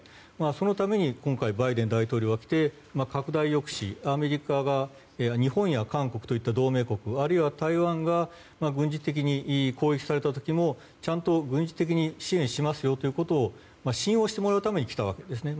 そのために今回バイデン大統領が来て拡大抑止、アメリカが日本や韓国といった同盟国あるいは台湾が軍事的に攻撃された時もちゃんと軍事的に支援しますよということを信用してもらうために来たわけですね。